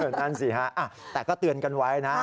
นั่นสิฮะแต่ก็เตือนกันไว้นะ